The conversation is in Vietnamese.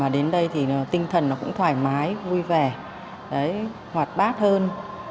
đến đây tinh thần cũng thoải mái vui vẻ hoạt bát hơn